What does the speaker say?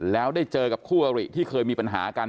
แล้วได้เจอกับคู่อริที่เคยมีปัญหากัน